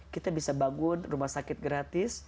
kita bisa bangun rumah sakit gratis